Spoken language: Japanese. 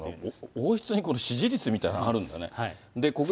王室に支持率みたいなのあるんだね。